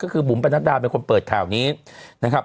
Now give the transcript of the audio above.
ก็คือบุ๋มประนัดดาเป็นคนเปิดข่าวนี้นะครับ